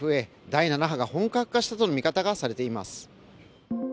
第７波が本格化したとの見方がされています。